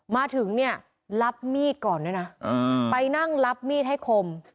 มาถึงเนี่ยรับมีดก่อนด้วยนะไปนั่งรับมีดให้คม